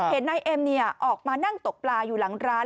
เห็นนายเอ็มออกมานั่งตกปลาอยู่หลังร้าน